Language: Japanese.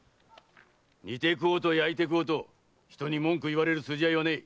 煮て食おうと焼いて食おうと人に文句いわれる筋合いはねえ。